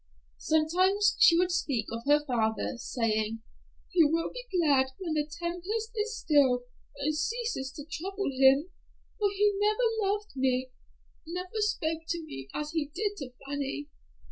Sometimes she would speak of her father, saying, "He will be glad when the tempest is still and ceases to trouble him, for he never loved me, never spoke to me as he did to Fanny.